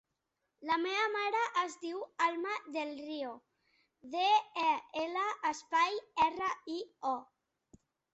La meva mare es diu Alma Del Rio: de, e, ela, espai, erra, i, o.